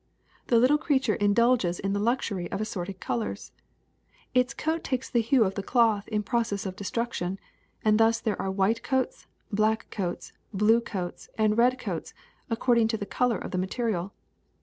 *'The little creature indulges in the luxury of as sorted colors. Its coat takes the hue of the cloth in process of destruction, and thus there are white coats, black coats, blue coats, and red coats, accord ing to the color of the material.